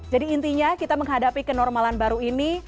jadi intinya kita menghadapi kenormalan baru ini